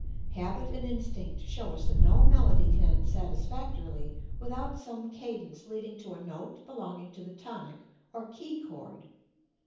Habit and instinct show us that no melody can end satisfactorily without some cadence leading to a note belonging to the tonic or key chord.